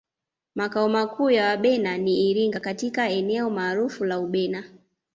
Makao makuu ya Wabena ni Iringa katika eneo maarufu la Ubena